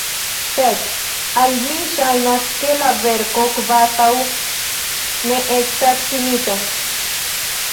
Sed al mi ŝajnas, ke la verko kvazaŭ ne estas finita.